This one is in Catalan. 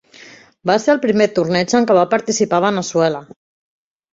Va ser el primer torneig en què va participar Veneçuela.